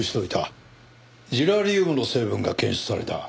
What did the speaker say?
ジラリウムの成分が検出された。